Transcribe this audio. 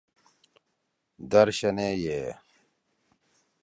درشنے یے۔